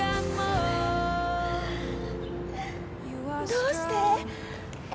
どうして？